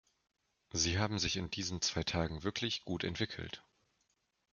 Sie haben sich in diesen zwei Tagen wirklich gut entwickelt.